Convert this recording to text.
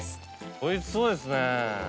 おいしそうですね。